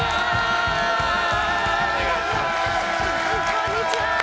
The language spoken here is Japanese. こんにちは！